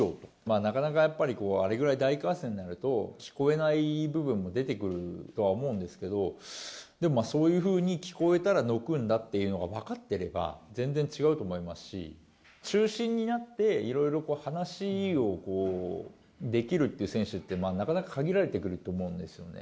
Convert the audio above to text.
なかなかやっぱり、あれぐらい大歓声になると聞こえない部分も出てくるとは思うんですけど、でも、そういうふうに聞こえたら退くんだっていうのが分かっていれば、全然違うと思いますし、中心になっていろいろ話をできるっていう選手って、なかなか限られてくると思うんですよね。